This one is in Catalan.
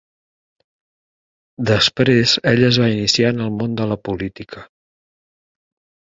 Després, ell es va iniciar en el món de la política.